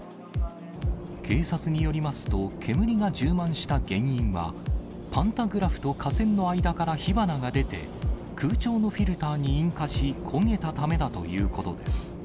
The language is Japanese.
警察によりますと、煙が充満した原因は、パンタグラフと架線の間から火花が出て、空調のフィルターに引火し、焦げたためだということです。